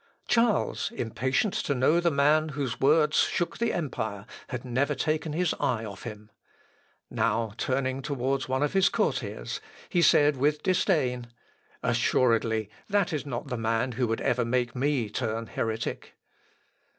Charles, impatient to know the man whose words shook the empire, had never taken his eye off him. Now turning towards one of his courtiers, he said with disdain, "Assuredly that is not the man who would ever make me turn heretic."